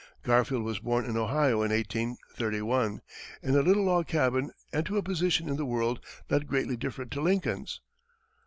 Garfield was born in Ohio in 1831, in a little log cabin and to a position in the world not greatly different to Lincoln's.